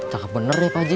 cakap bener deh pak haji